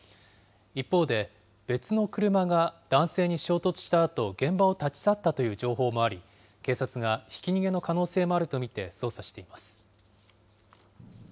一方で、別の車が男性に衝突したあと、現場を立ち去ったという情報もあり、警察がひき逃げの可能性もあると見て捜査しています。